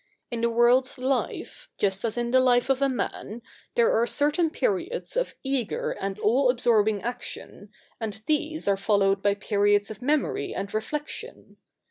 In the world's life, just as in the life of a man, there are certain periods of eager and all absorbing action, and these are followed by periods of memory and reflection.